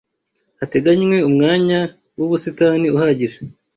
hagateganywe umwanya w’ubusitani uhagije